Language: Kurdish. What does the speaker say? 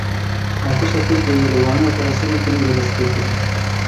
Artêşa Tirkiyeyê li Wanê operasyoneke nû da dest pêkirin.